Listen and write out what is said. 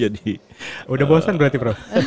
sudah bosan berarti prof